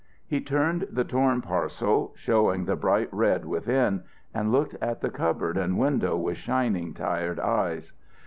'" He turned the torn parcel, showing the bright red within, and looked at the cupboard and window with shining, tired eyes.